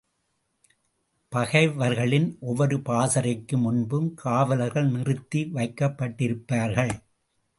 பகைவர்களின் ஒவ்வொரு பாசறைக்கு முன்பும் காவலர்கள் நிறுத்தி வைக்கப்பட்டிருப்பார்கள்.